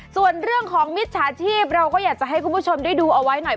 ส่วนเรื่องของมิจฉาชีพเราก็อยากจะให้คุณผู้ชมได้ดูเอาไว้หน่อย